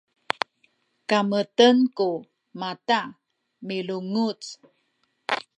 kemeten ku mata milunguc